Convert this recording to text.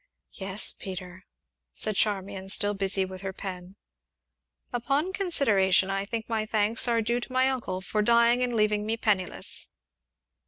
"Yes, Peter," said Charmian, still busy with her pen. "Upon consideration I think my thanks are due to my uncle for dying and leaving me penniless."